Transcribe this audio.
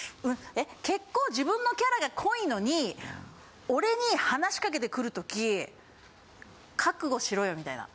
結構自分のキャラが濃いのに俺に話しかけてくる時覚悟しろよみたいな。